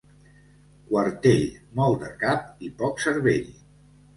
Quartell, molt de cap i poc cervell.